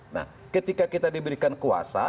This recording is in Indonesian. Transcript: nah ketika kita diberikan kuasa